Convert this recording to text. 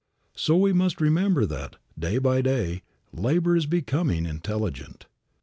So we must remember that, day by day, labor is becoming intelligent.